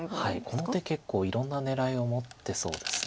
この手結構いろんな狙いを持ってそうです。